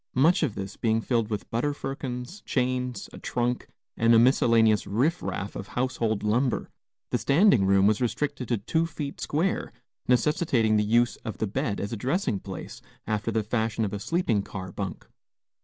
Much of this being filled with butter firkins, chains, a trunk, and a miscellaneous riff raff of household lumber, the standing room was restricted to two feet square, necessitating the use of the bed as a dressing place, after the fashion of a sleeping car bunk.